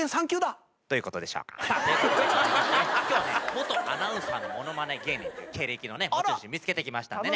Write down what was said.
元アナウンサーのものまね芸人という経歴の持ち主見つけてきましたんでね